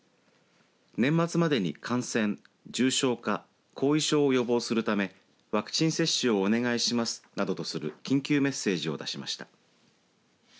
年末までに感染、重症化後遺症を予防するためワクチン接種をお願いしますなどとする緊急メッセージを出しました。